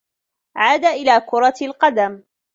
عاد إلى كرة القدم.